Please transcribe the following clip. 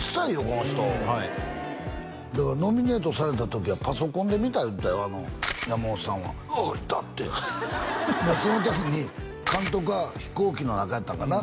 この人はいだからノミネートされた時はパソコンで見た言うてたよ山本さんは「うわっ入った！」ってその時に監督は飛行機の中やったんかな？